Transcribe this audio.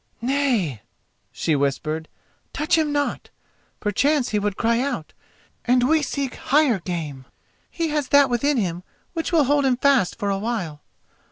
"Nay," she whispered, "touch him not. Perchance he would cry out—and we seek higher game. He has that within him which will hold him fast for a while.